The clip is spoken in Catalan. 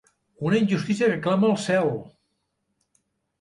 Una injustícia que clama al cel!